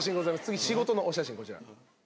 次仕事のお写真こちら。